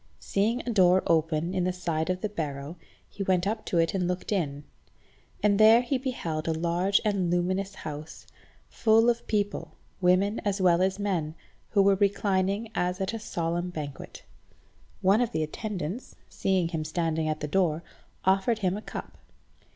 Seeing a door open in the side of the barrow he went up to it and looked in, and there he beheld a large and luminous house, full of people, women as well as men, who were reclining as at a solemn banquet. One of the attendants, seeing him standing at the door, offered him a cup.